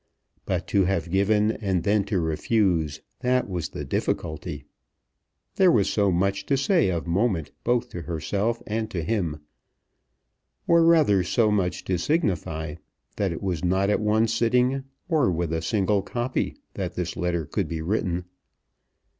But to have given and then to refuse that was the difficulty. There was so much to say of moment both to herself and to him, or rather so much to signify, that it was not at one sitting, or with a single copy, that this letter could be written.